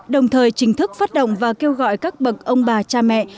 đồng thời chính thức phát động và kêu gọi các bậc ông bà cha mẹ